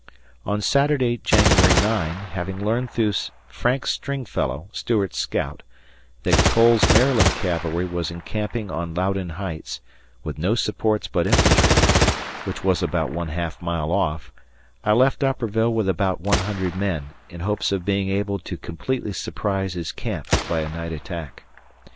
On Saturday, January 9, having learned through Frank Stringfellow (Stuart's scout), that Cole's (Maryland) Cavalry was encamping on Loudon Heights, with no supports but infantry, which was about one half mile off, I left Upperville with about 100 men in hopes of being able to completely surprise his camp by a night attack.